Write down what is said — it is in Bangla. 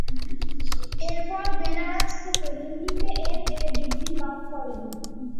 এরপর বেনারস থেকে হিন্দিতে এমএ ডিগ্রি লাভ করেন।